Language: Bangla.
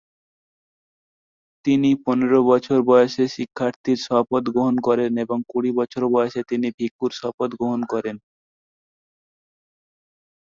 তিনি পনেরো বছর বয়সে শিক্ষার্থীর শপথ গ্রহণ করেন এবং কুড়ি বছর বয়সে তিনি ভিক্ষুর শপথ গ্রহণ করেন।